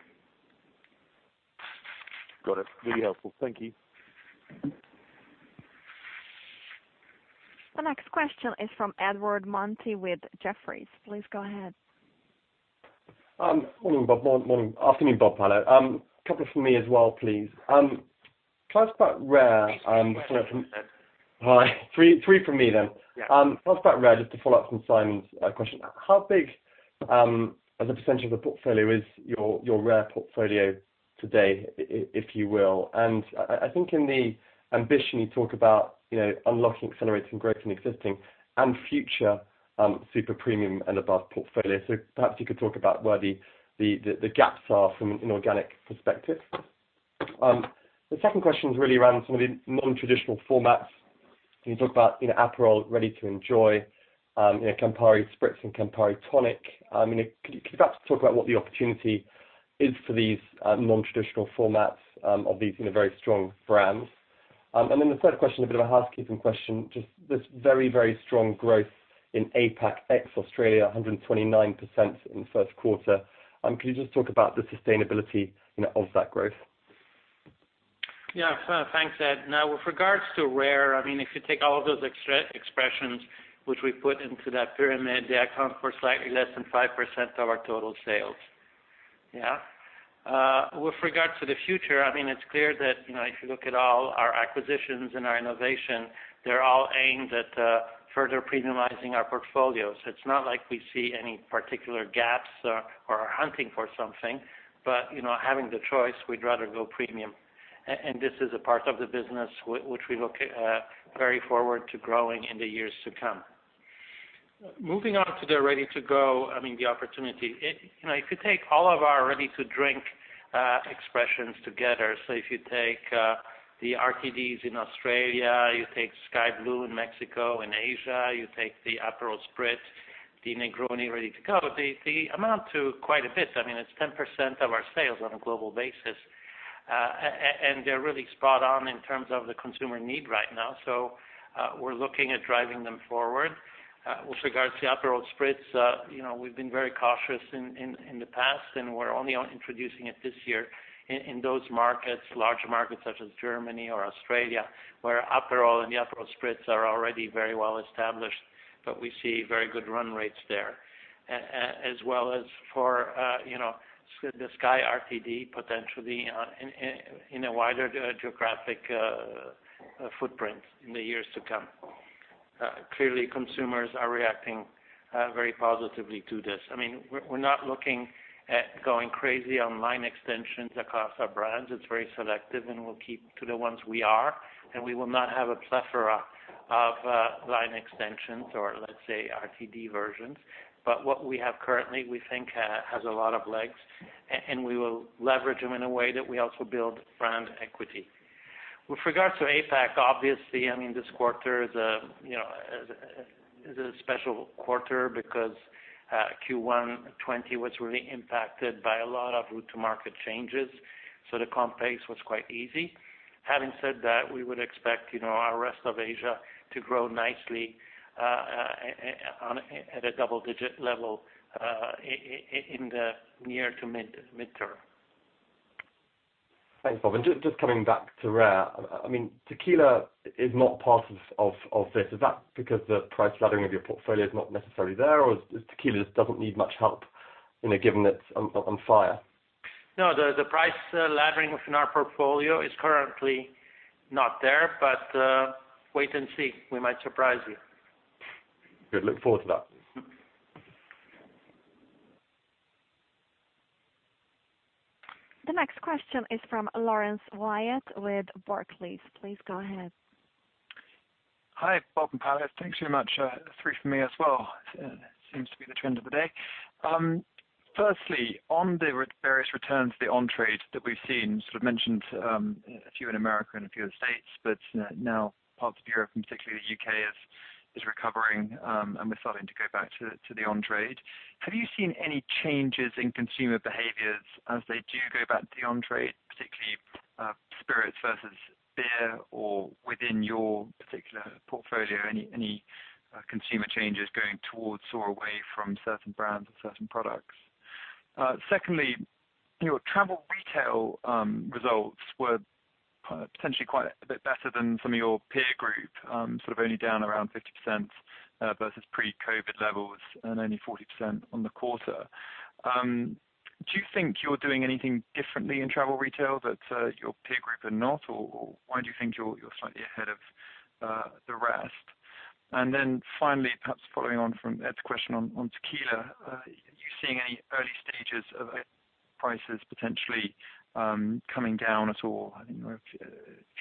Got it. Really helpful. Thank you. The next question is from Edward Mundy with Jefferies. Please go ahead. Morning, Bob. Morning. Afternoon, Bob, Paolo. A couple from me as well, please. Hi. Three from me then. Yeah. Can I ask about Rare, just to follow up from Simon's question. How big as a percentage of the portfolio is your Rare portfolio today, if you will? I think in the ambition, you talk about unlocking accelerating growth in existing and future super premium and above portfolio. Perhaps you could talk about where the gaps are from an inorganic perspective. The second question is really around some of the non-traditional formats. Can you talk about Aperol, ready to enjoy, Campari Spritz and Campari Tonic? Could you perhaps talk about what the opportunity is for these non-traditional formats of these very strong brands? The third question, a bit of a housekeeping question, just this very, very strong growth in APAC ex Australia, 129% in the first quarter. Can you just talk about the sustainability of that growth? Yeah. Thanks, Ed. With regards to Rare, if you take all of those expressions which we put into that pyramid, they account for slightly less than 5% of our total sales. With regard to the future, it's clear that, if you look at all our acquisitions and our innovation, they're all aimed at further premiumizing our portfolio. It's not like we see any particular gaps or are hunting for something. Having the choice, we'd rather go premium. This is a part of the business which we look very forward to growing in the years to come. Moving on to the ready to drink, the opportunity. If you take all of our ready-to-drink expressions together, so if you take the RTDs in Australia, you take SKYY Blue in Mexico and Asia, you take the Aperol Spritz, the Negroni Ready To Go, they amount to quite a bit. It's 10% of our sales on a global basis. They're really spot on in terms of the consumer need right now. We're looking at driving them forward. With regards to Aperol Spritz, we've been very cautious in the past, and we're only introducing it this year in those markets, larger markets such as Germany or Australia, where Aperol and the Aperol Spritz are already very well established, but we see very good run rates there. As well as for the SKYY RTD, potentially, in a wider geographic footprint in the years to come. Clearly, consumers are reacting very positively to this. We're not looking at going crazy on line extensions across our brands. It's very selective, and we'll keep to the ones we are, and we will not have a plethora of line extensions or let's say RTD versions. What we have currently, we think, has a lot of legs, and we will leverage them in a way that we also build brand equity. With regards to APAC, obviously, this quarter is a special quarter because Q1 2020 was really impacted by a lot of route to market changes. The comp base was quite easy. Having said that, we would expect our rest of Asia to grow nicely at a double digit level in the near to mid-term. Thanks, Bob. Just coming back to Rare. Tequila is not part of this. Is that because the price laddering of your portfolio is not necessarily there, or is tequila just doesn't need much help, given it's on fire? The price laddering within our portfolio is currently not there, but wait and see. We might surprise you. Good. Look forward to that. The next question is from Laurence Whyatt with Barclays. Please go ahead. Hi, Bob and Paolo. Thanks very much. Three from me as well. Seems to be the trend of the day. Firstly, on the various returns, the on-trade that we've seen, sort of mentioned a few in America and a few other states, but now parts of Europe, and particularly the U.K. is recovering, and we're starting to go back to the on-trade. Have you seen any changes in consumer behaviors as they do go back to the on-trade, particularly spirits versus beer or within your particular portfolio? Any consumer changes going towards or away from certain brands or certain products? Secondly, your travel retail results were potentially quite a bit better than some of your peer group, sort of only down around 50% versus pre-COVID levels and only 40% on the quarter. Do you think you're doing anything differently in travel retail that your peer group are not, or why do you think you're slightly ahead of the rest? Finally, perhaps following on from Edward's question on tequila. Are you seeing any early stages of prices potentially coming down at all? I think there were a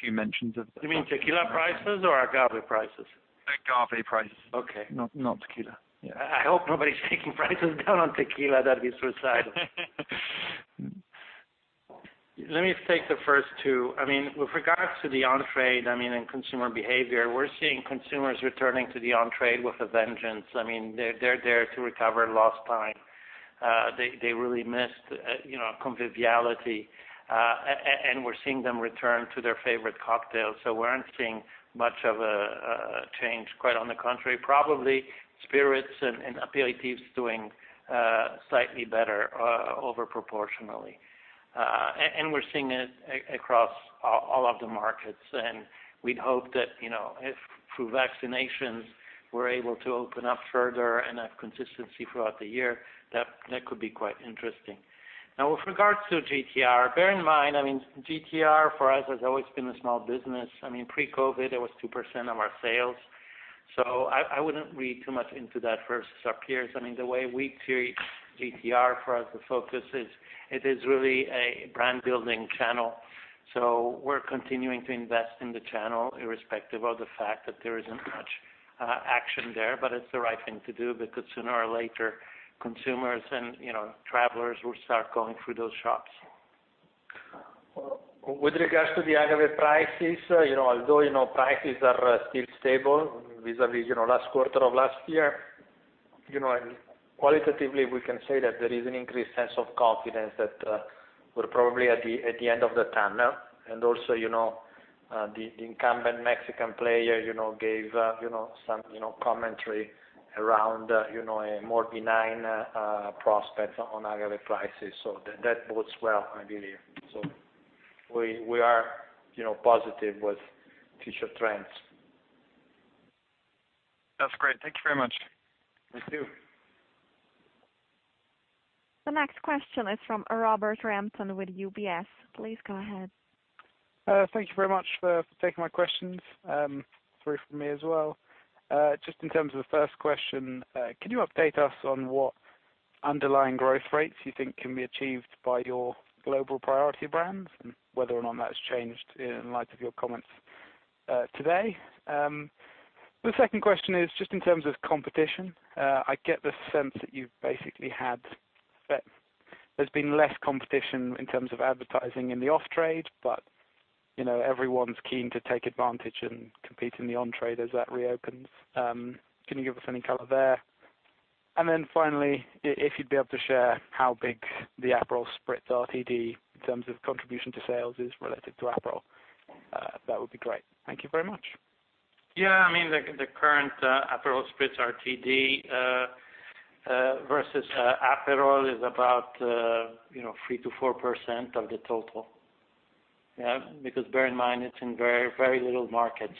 few mentions of that. You mean tequila prices or agave prices? Agave prices. Okay. Not tequila. Yeah. I hope nobody's taking prices down on tequila. That'd be suicidal. Let me take the first two. With regards to the on-trade and consumer behavior, we're seeing consumers returning to the on-trade with a vengeance. They're there to recover lost time. They really missed conviviality. We're seeing them return to their favorite cocktails. We aren't seeing much of a change. Quite on the contrary, probably spirits and aperitifs doing slightly better over proportionally. We're seeing it across all of the markets. We'd hope that if through vaccinations, we're able to open up further and have consistency throughout the year, that could be quite interesting. Now with regards to GTR, bear in mind, GTR for us has always been a small business. Pre-COVID, it was 2% of our sales. I wouldn't read too much into that first sub-period. The way we treat GTR for us, the focus is, it is really a brand-building channel. We're continuing to invest in the channel irrespective of the fact that there isn't much action there. It's the right thing to do because sooner or later, consumers and travelers will start going through those shops. With regards to the agave prices, although prices are still stable vis-à-vis last quarter of last year, qualitatively, we can say that there is an increased sense of confidence that we're probably at the end of the tunnel, and also the incumbent Mexican player gave some commentary around a more benign prospect on agave prices. That bodes well, I believe. We are positive with future trends. That's great. Thank you very much. Thank you. The next question is from Robert Rampton with UBS. Please go ahead. Thank you very much for taking my questions. Three from me as well. Just in terms of the first question, can you update us on what underlying growth rates you think can be achieved by your global priority brands, and whether or not that has changed in light of your comments today? The second question is just in terms of competition. I get the sense that you've basically had there's been less competition in terms of advertising in the off-trade, but everyone's keen to take advantage and compete in the on-trade as that reopens. Can you give us any color there? Then finally, if you'd be able to share how big the Aperol Spritz RTD in terms of contribution to sales is relative to Aperol, that would be great. Thank you very much. The current Aperol Spritz RTD versus Aperol is about 3%-4% of the total. Bear in mind, it's in very little markets,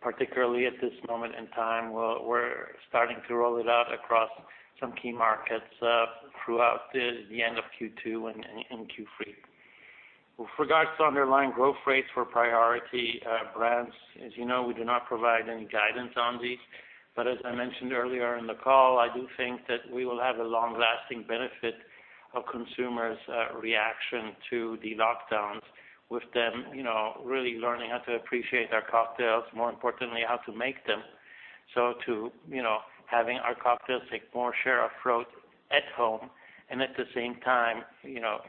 particularly at this moment in time. We're starting to roll it out across some key markets throughout the end of Q2 and Q3. With regards to underlying growth rates for priority brands, as you know, we do not provide any guidance on these. As I mentioned earlier in the call, I do think that we will have a long-lasting benefit of consumers' reaction to the lockdowns, with them really learning how to appreciate our cocktails, more importantly, how to make them. To having our cocktails take more share of throat at home, and at the same time,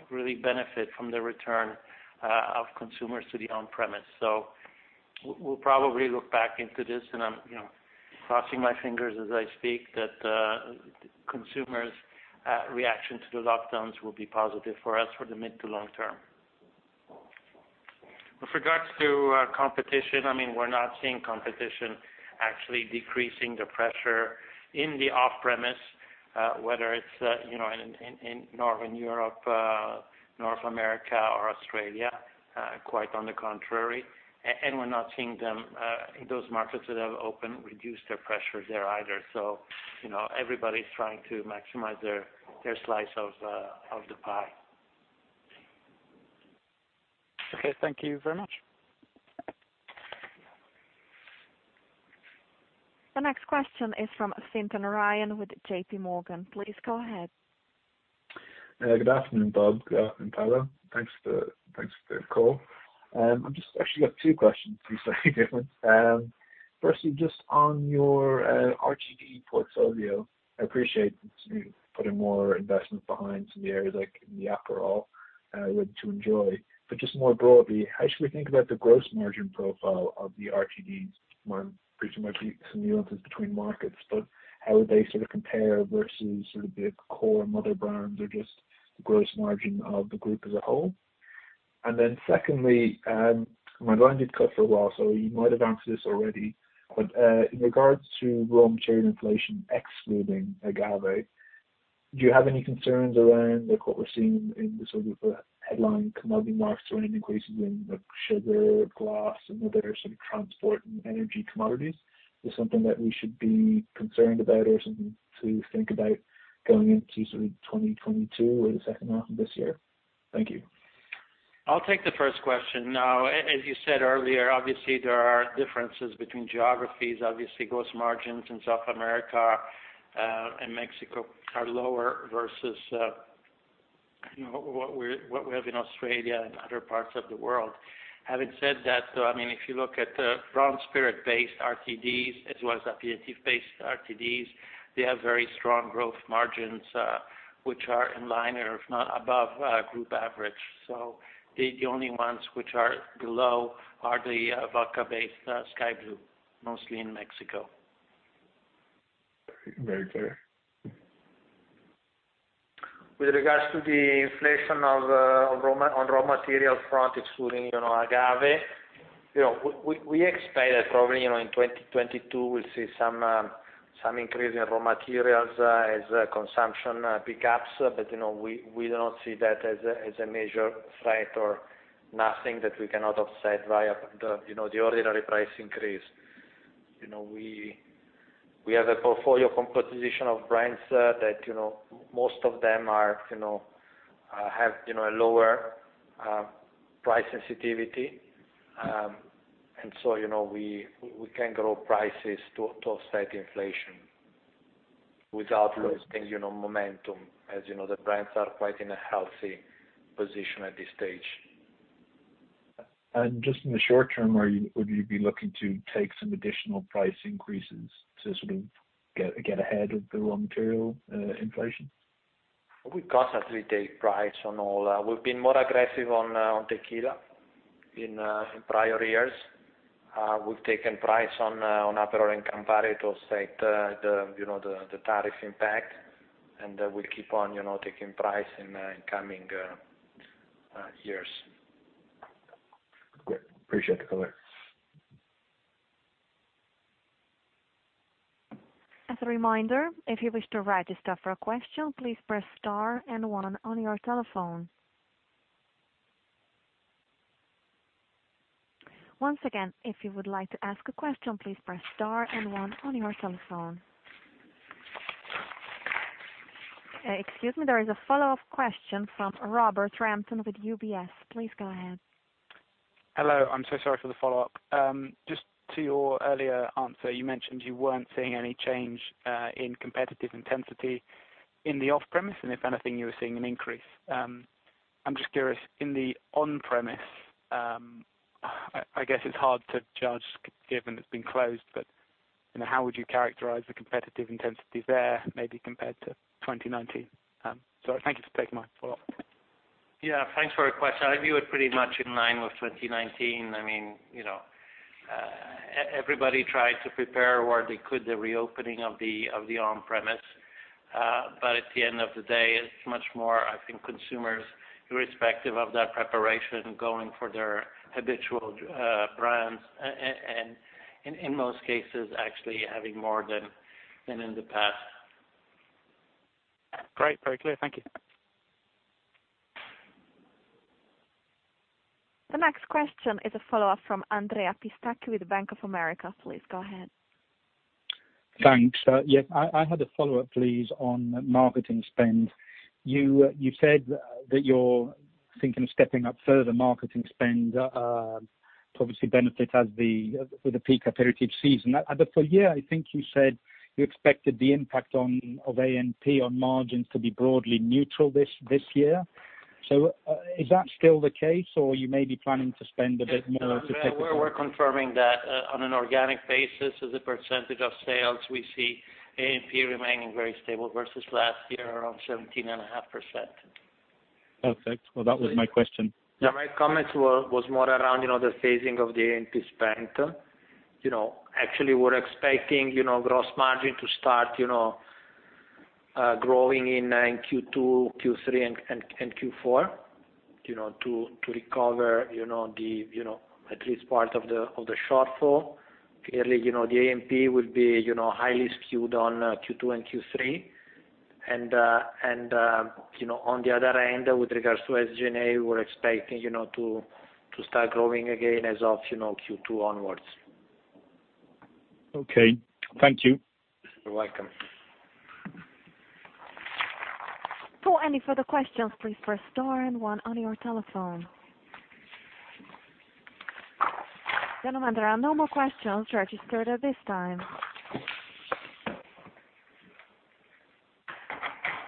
really benefit from the return of consumers to the on-premise. We'll probably look back into this, and I'm crossing my fingers as I speak, that consumers' reaction to the lockdowns will be positive for us for the mid to long term. With regards to competition, we're not seeing competition actually decreasing the pressure in the off-premise, whether it's in Northern Europe, North America, or Australia. Quite on the contrary. We're not seeing them in those markets that have opened reduce their pressure there either. Everybody's trying to maximize their slice of the pie. Okay. Thank you very much. The next question is from Fintan Ryan with JPMorgan. Please go ahead. Good afternoon, Bob and Paolo. Thanks for the call. I've just actually got two questions, if you don't mind. Firstly, just on your RTD portfolio, I appreciate you putting more investment behind some of the areas like the Aperol Spritz Ready to Serve. Just more broadly, how should we think about the gross margin profile of the RTDs? Pretty much some nuances between markets, but how would they sort of compare versus sort of the core mother brands or just the gross margin of the group as a whole? Then secondly, my line did cut for a while, so you might have answered this already. In regards to raw material inflation, excluding agave, do you have any concerns around what we're seeing in the sort of headline commodity markets or any increases in sugar, glass, and other sort of transport and energy commodities? Is this something that we should be concerned about or something to think about going into sort of 2022 or the second half of this year? Thank you. I'll take the first question. As you said earlier, obviously, there are differences between geographies. Obviously, gross margins in South America and Mexico are lower versus what we have in Australia and other parts of the world. Having said that, if you look at the brown spirit-based RTDs as well as aperitif-based RTDs, they have very strong gross margins, which are in line or if not above group average. The only ones which are below are the vodka-based SKYY Blue, mostly in Mexico. Very clear. With regards to the inflation on raw material front, excluding agave, we expect that probably in 2022, we'll see some increase in raw materials as consumption pickups. We do not see that as a major threat or nothing that we cannot offset via the ordinary price increase. We have a portfolio composition of brands that most of them have a lower price sensitivity. We can grow prices to offset inflation without losing momentum. As you know, the brands are quite in a healthy position at this stage. Just in the short term, would you be looking to take some additional price increases to sort of get ahead of the raw material inflation? We've been more aggressive on tequila in prior years. We've taken price on Aperol and Campari to offset the tariff impact. We'll keep on taking price in the coming years. Great. Appreciate the color. As a reminder, if you wish to register for a question, please press star and one on your telephone. Once again, if you would like to ask a question, please press star and one on your telephone. Excuse me, there is a follow-up question from Robert Rampton with UBS. Please go ahead. Hello, I'm so sorry for the follow-up. Just to your earlier answer, you mentioned you weren't seeing any change in competitive intensity in the off-premise. If anything, you were seeing an increase. I'm just curious, in the on-premise, I guess it's hard to judge given it's been closed. How would you characterize the competitive intensity there, maybe compared to 2019? Sorry. Thank you for taking my follow-up. Yeah, thanks for your question. I view it pretty much in line with 2019. Everybody tried to prepare where they could the reopening of the on-premise. At the end of the day, it's much more, I think, consumers, irrespective of that preparation, going for their habitual brands, and in most cases, actually having more than in the past. Great. Very clear. Thank you. The next question is a follow-up from Andrea Pistacchi with Bank of America. Please go ahead. Thanks. Yes, I had a follow-up, please, on marketing spend. You said that you're thinking of stepping up further marketing spend to obviously benefit with the peak aperitif season. At the full year, I think you said you expected the impact of A&P on margins to be broadly neutral this year. Is that still the case, or you may be planning to spend a bit more? We're confirming that on an organic basis, as a percentage of sales, we see A&P remaining very stable versus last year, around 17.5%. Perfect. Well, that was my question. Yeah, my comment was more around the phasing of the A&P spend. Actually, we're expecting gross margin to start growing in Q2, Q3, and Q4 to recover at least part of the shortfall. Clearly, the A&P will be highly skewed on Q2 and Q3. On the other end, with regards to SG&A, we're expecting to start growing again as of Q2 onwards. Okay. Thank you. You're welcome. Gentlemen, there are no more questions registered at this time.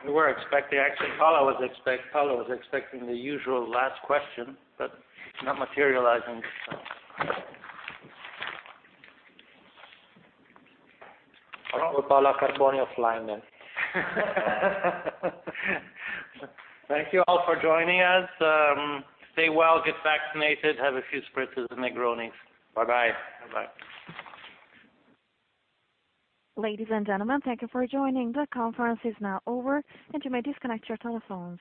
Actually, Paolo was expecting the usual last question, but it's not materializing this time. Paolo can't join us live then. Thank you all for joining us. Stay well, get vaccinated, have a few spritzes and negronis. Bye-bye. Bye-bye. Ladies and gentlemen, thank you for joining. The conference is now over, and you may disconnect your telephones.